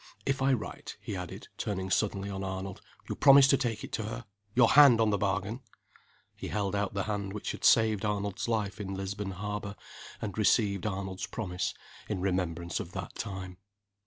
If I write," he added, turning suddenly on Arnold, "you promise to take it to her? Your hand on the bargain!" He held out the hand which had saved Arnold's life in Lisbon Harbor, and received Arnold's promise, in remembrance of that time.